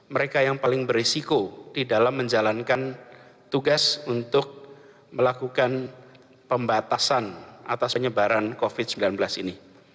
mereka yang paling berisiko di dalam menjalankan tugas untuk melakukan pembatasan atas penyebaran covid sembilan belas ini